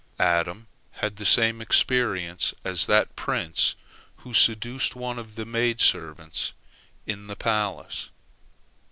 Adam had the same experience as that prince who seduced one of the maid ser vants in the palace.